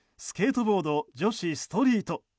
スケートボード女子ストリート。